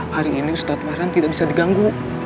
hari ini ustadz mahran tidak bisa diganggu